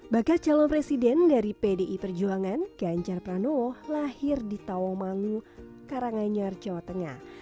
bakal calon presiden dari pdi perjuangan ganjar pranowo lahir di tawamangu karanganyar jawa tengah